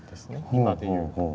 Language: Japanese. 今で言う。